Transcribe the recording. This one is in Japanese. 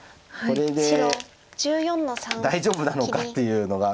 これで大丈夫なのかっていうのが。